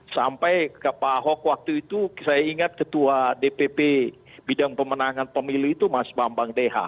sampai ke pak ahok waktu itu saya ingat ketua dpp bidang pemenangan pemilu itu mas bambang deha